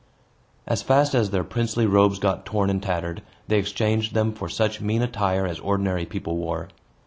As fast as their princely robes got torn and tattered, they exchanged them for such mean attire as ordinary people wore.